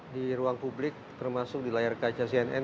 di ruang publik termasuk di layar kaca cnn